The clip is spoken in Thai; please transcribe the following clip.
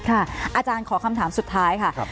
อาจารย์ขอคำถามสุดท้ายค่ะ